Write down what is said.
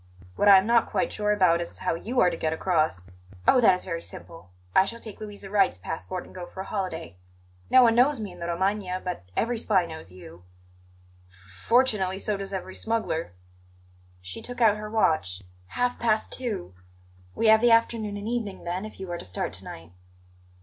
What I am not quite sure about is how you are to get across." "Oh, that is very simple! I shall take Louisa Wright's passport and go for a holiday. No one knows me in the Romagna, but every spy knows you." "F fortunately, so does every smuggler." She took out her watch. "Half past two. We have the afternoon and evening, then, if you are to start to night."